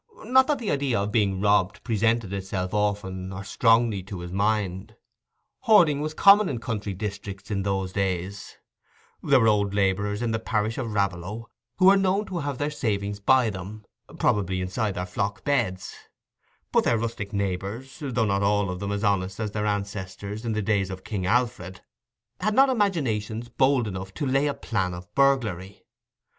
Not that the idea of being robbed presented itself often or strongly to his mind: hoarding was common in country districts in those days; there were old labourers in the parish of Raveloe who were known to have their savings by them, probably inside their flock beds; but their rustic neighbours, though not all of them as honest as their ancestors in the days of King Alfred, had not imaginations bold enough to lay a plan of burglary.